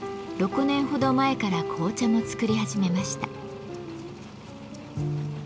６年ほど前から紅茶も作り始めました。